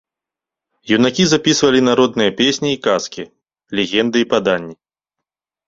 Юнакі запісвалі народныя песні і казкі, легенды і паданні.